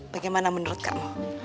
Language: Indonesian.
bagaimana menurut kamu